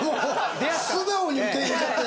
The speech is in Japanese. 素直に受け入れちゃって。